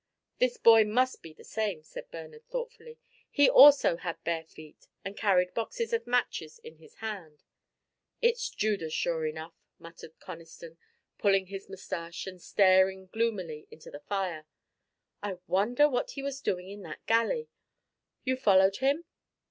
"This boy must be the same," said Bernard, thoughtfully. "He also had bare feet and carried boxes of matches in his hand." "It's Judas sure enough!" muttered Conniston, pulling his mustache and staring gloomily into the fire. "I wonder what he was doing in that galley? You followed him?"